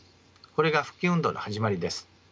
これが復帰運動の始まりです。